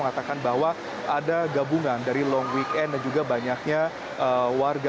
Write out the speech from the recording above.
mengatakan bahwa ada gabungan dari long weekend dan juga banyaknya warga